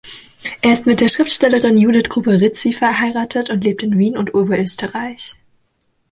Er ist mit der Schriftstellerin Judith Gruber-Rizy verheiratet und lebt in Wien und Oberösterreich.